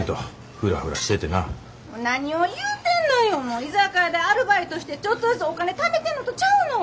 居酒屋でアルバイトしてちょっとずつお金ためてんのとちゃうの。